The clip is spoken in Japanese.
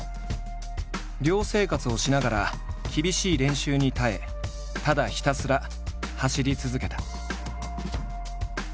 寮生活をしながら厳しい練習に耐えただひたすら走り続けた。